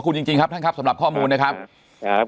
สวัสดีครับสำหรับข้อมูลนะครับครับ